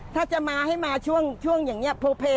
ถ้าจะมาให้มาช่วงอย่างนี้โพเพ